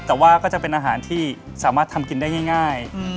แต่ว่าก็จะเป็นอาหารที่สามารถทำกินได้ง่าย